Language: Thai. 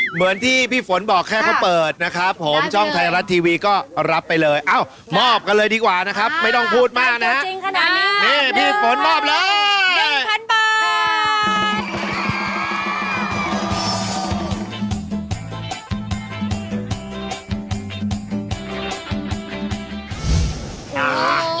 เหมือนที่พี่ฝนบอกแค่เขาเปิดนะครับผมช่องไทยรัฐทีวีก็รับไปเลยเอ้ามอบกันเลยดีกว่านะครับไม่ต้องพูดมากนะฮะจริงขนาดนี้นี่พี่ฝนมอบเลย๑๐๐บาท